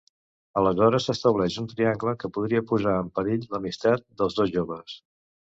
Aleshores s'estableix un triangle que podria posar en perill l'amistat dels dos joves.